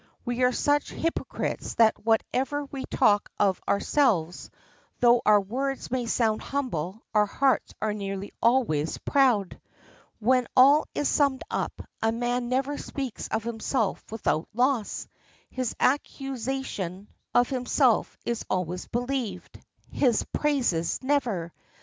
We are such hypocrites that whatever we talk of ourselves, though our words may sound humble, our hearts are nearly always proud. When all is summed up, a man never speaks of himself without loss; his accusation of himself is always believed, his praises never.